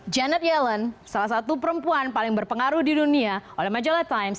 janet yellen salah satu perempuan paling berpengaruh di dunia oleh majalah times